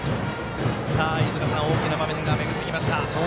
大きな場面が巡ってきました。